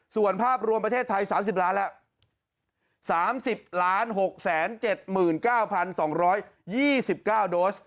ส่วนภาพรวมประเทศไทย๓๐ล้านแล้ว๓๐๖๗๙๒๒๙โดส